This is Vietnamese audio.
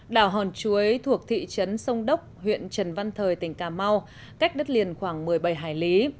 đảo hòn chuối thuộc thị trấn sông đốc huyện trần văn thời tỉnh cà mau cách đất liền khoảng một mươi bảy hải lý